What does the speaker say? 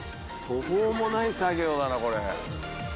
「途方もない作業だなこれ」